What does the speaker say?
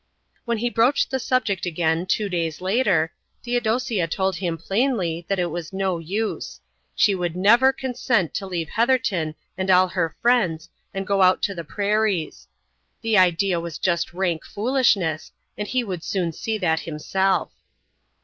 When he broached the subject again, two days later, Theodosia told him plainly that it was no use. She would never consent to leave Heatherton and all her friends and go out to the prairies. The idea was just rank foolishness, and he would soon see that himself.